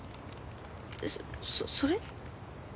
そそれ！？